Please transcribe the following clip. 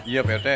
iya pak rt